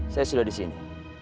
saya sudah di sini